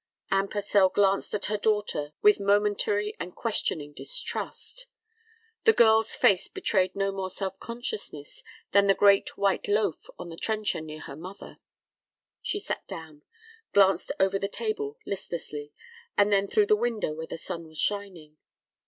Anne Purcell glanced at her daughter with momentary and questioning distrust. The girl's face betrayed no more self consciousness than the great white loaf on the trencher near her mother. She sat down, glanced over the table listlessly, and then through the window where the sun was shining.